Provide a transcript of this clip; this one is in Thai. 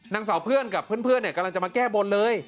นางสาวเพื่อนกับเพื่อนกำลังจะมาแก้บนเลย